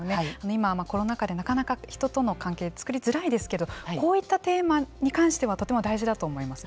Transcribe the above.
今、コロナ禍でなかなか人との関係つくりづらいですけどこういったテーマに関してはとても大事だと思います。